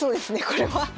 これは。